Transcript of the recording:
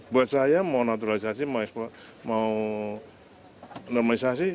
buat saya mau naturalisasi mau normalisasi